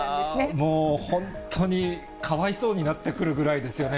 もう本当にかわいそうになってくるぐらいですよね。